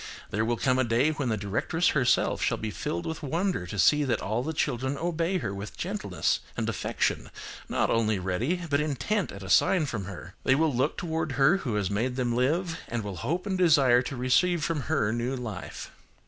There will come a day when the directress herself shall be filled with wonder to see that all the children obey her with gentleness and affection, not only ready, but intent, at a sign from her. They will look toward her who has made them live, and will hope and desire to receive from her, new life.